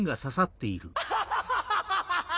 ・アハハハハ！